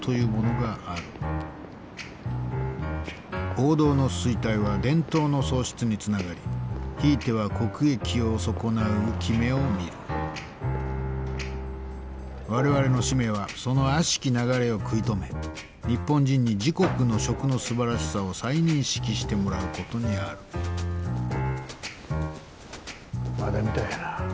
王道の衰退は伝統の喪失につながりひいては国益を損なう憂き目を見る我々の使命はその悪しき流れを食い止め日本人に自国の食のすばらしさを再認識してもらうことにあるまだみたいやな。